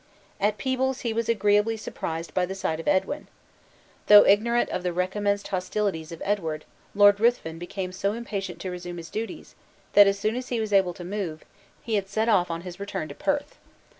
At Peebles he was agreeably surprised by the sight of Edwin. Though ignorant of the recommenced hostilities of Edward, Lord Ruthven became so impatient to resume his duties, that as soon as he was able to move, he had set off on his return to Perth.